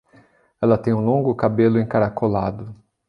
Ela tem um longo cabelo encaracolado.